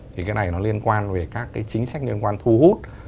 thì cái này nó liên quan về các cái chính sách liên quan thu hút